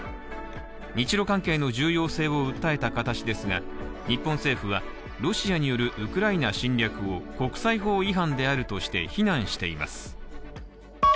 日ロ関係の重要性を訴えた形ですが日本政府は、ロシアによるウクライナ侵略を国際法違反であるとして非難しています。